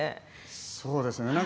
そうですね。